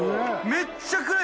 めっちゃ暗い！